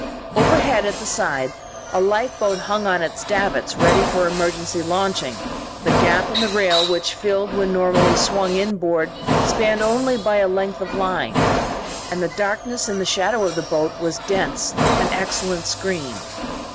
Overhead, at the side, a lifeboat hung on its davits, ready for emergency launching, the gap in the rail which it filled when normally swung inboard spanned only by a length of line. And the darkness in the shadow of the boat was dense, an excellent screen.